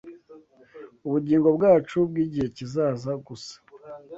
ubugingo bwacu bw’igihe kizaza gusa